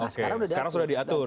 sekarang sudah diatur